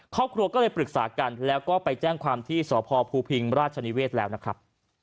ครอบครัวก็เลยปรึกษากันแล้วก็ไปแจ้งความที่สพภูพิงราชนิเวศแล้วนะครับ